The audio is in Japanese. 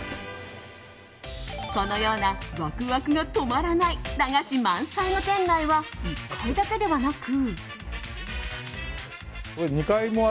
このようなワクワクが止まらない駄菓子満載の店内は１階だけではなく。